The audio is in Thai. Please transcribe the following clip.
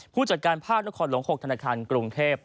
ผู้จัดการภาคนครหลวง๖ธนาคารกรุงเทพ